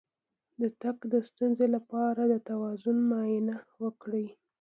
د تګ د ستونزې لپاره د توازن معاینه وکړئ